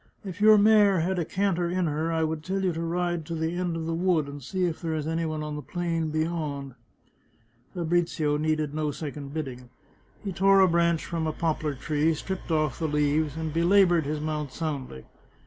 If your mare had a canter in her I would tell you to ride to the end of the wood, and see if there is any one on the plain beyond." Fabrizio needed no second bidding. He tore a branch from a poplar tree, stripped off the leaves, and belaboured his mount soundly.